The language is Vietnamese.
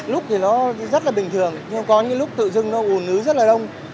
lúc thì nó rất là bình thường nhưng có những lúc tự dưng nó ủ nứ rất là đông